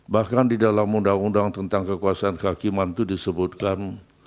bahkan di dalam undang undang tentang kekuasaan kehakiman itu disebutkan